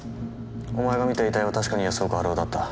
お前が見た遺体は確かに安岡春雄だった。